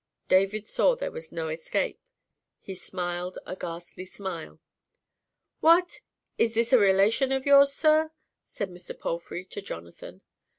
David saw there was no escape; he smiled a ghastly smile. "What! is this a relation of yours, sir?" said Mr. Palfrey to Jonathan.